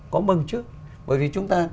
có mừng chứ bởi vì chúng ta